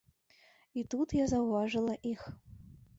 І тут я заўважыла іх.